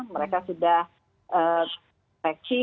mereka sudah terinfeksi